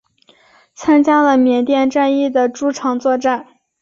参加了缅甸战役的诸场作战。